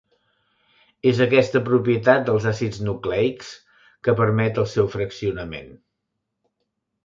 És aquesta propietat dels àcids nucleics que permet el seu fraccionament.